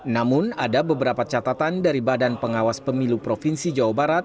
namun ada beberapa catatan dari badan pengawas pemilu provinsi jawa barat